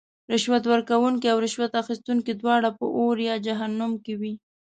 رشوت ورکوونکې او رشوت اخیستونکې دواړه به اور یا جهنم کې وی .